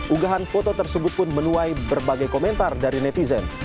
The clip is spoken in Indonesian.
unggahan foto tersebut pun menuai berbagai komentar dari netizen